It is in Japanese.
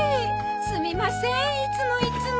すみませんいつもいつも。